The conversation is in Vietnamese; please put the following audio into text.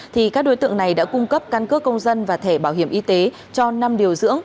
thì các đối tượng này đã cung cấp căn cước công dân và thẻ bảo hiểm y tế cho năm điều dưỡng